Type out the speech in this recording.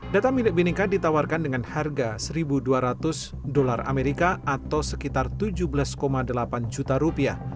data milik binika ditawarkan dengan harga satu dua ratus dolar amerika atau sekitar tujuh belas delapan juta rupiah